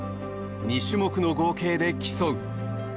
２種目の合計で競う。